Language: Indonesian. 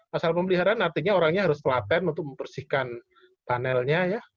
masalah pemeliharaan artinya orangnya harus telaten untuk membersihkan panelnya ya